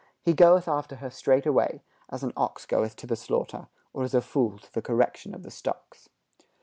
He goeth after her straightway, As an ox goeth to the slaughter, Or as a fool to the correction of the stocks."